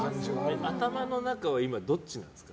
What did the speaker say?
頭の中は今どっちなんですか？